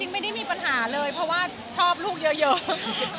ไม่ได้มีปัญหาเลยเพราะว่าชอบลูกเยอะ